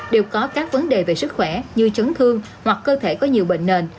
đều có các vấn đề về sức khỏe như chấn thương hoặc cơ thể có nhiều bệnh nền